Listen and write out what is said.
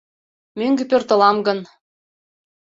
Мӧҥгӧ пӧртылам гын